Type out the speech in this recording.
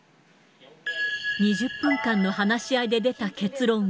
２０分間の話し合いで出た結